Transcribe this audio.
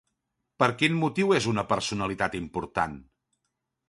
Per quin motiu és una personalitat important?